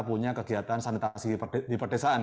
punya kegiatan sanitasi di pedesaan